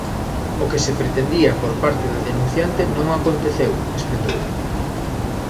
"O que se pretendía por parte da denunciante non aconteceu", espetou.